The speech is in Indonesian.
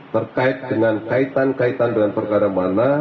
terkait dengan kaitan kaitan dengan perkara mana